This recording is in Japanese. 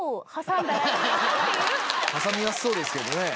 挟みやすそうですけどね。